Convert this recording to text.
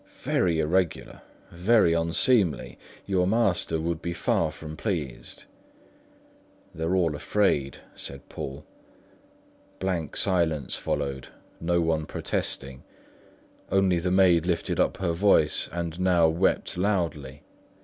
"Very irregular, very unseemly; your master would be far from pleased." "They're all afraid," said Poole. Blank silence followed, no one protesting; only the maid lifted her voice and now wept loudly.